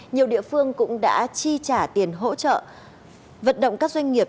nhiều địa phương cũng đã chi trả tiền hỗ trợ vận động các doanh nghiệp